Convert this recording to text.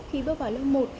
khi bước vào lớp một